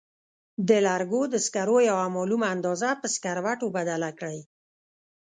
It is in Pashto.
د لرګو د سکرو یوه معلومه اندازه په سکروټو بدله کړئ.